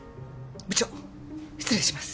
部長失礼します。